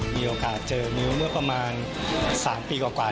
มีโอกาสเจอมิ้วเมื่อประมาณ๓ปีกว่า